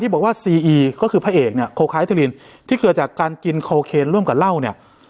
ที่บอกว่าเขาคือพระเอกเนี้ยที่เกิดจากการกินร่วมกับเหล้าเนี้ย